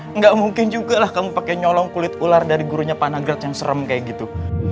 enggak mungkin juga lah kamu pakai nyolong kulit ular dari gurunya panagrat yang serem kayak gitu